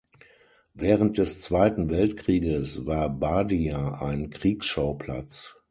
Während des Zweiten Weltkrieges war Bardia ein Kriegsschauplatz.